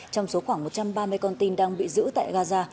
trong số khoảng một trăm ba mươi con tin đang bị giữ tại gaza